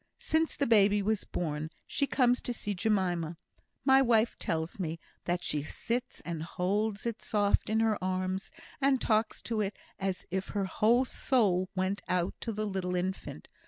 Since the baby was born, she comes to see Jemima. My wife tells me, that she sits and holds it soft in her arms, and talks to it as if her whole soul went out to the little infant.